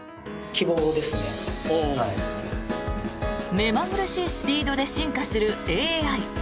目まぐるしいスピードで進化するＡＩ。